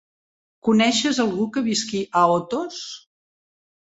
Coneixes algú que visqui a Otos?